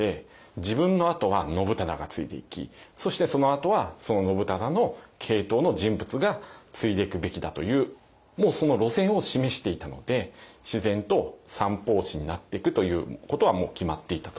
自分のあとは信忠が継いでいきそしてそのあとはその信忠の系統の人物が継いでいくべきだというもうその路線を示していたので自然と三法師になってくということはもう決まっていたと。